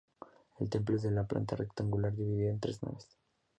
El templo es de planta rectangular, dividida en tres naves.